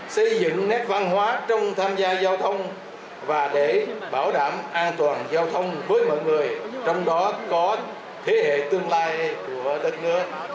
xây dựng nét văn hóa trong tham gia giao thông và để bảo đảm an toàn giao thông